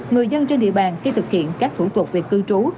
người dân trên địa bàn khi thực hiện các thủ tục về cư trú